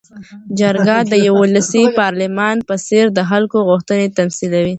جرګه د یوه ولسي پارلمان په څېر د خلکو غوښتنې تمثیلوي.